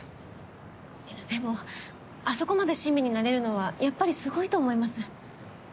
いやでもあそこまで親身になれるのはやっぱりすごいと思います。